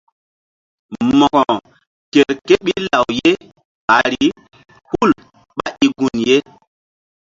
Mo̧ko ker ké ɓil law ye ɓahri hul ɓá i gun ye.